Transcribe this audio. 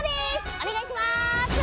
お願いします。